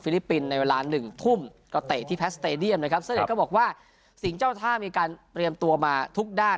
แล้วถ้ามีการเตรียมตัวมาทุกด้าน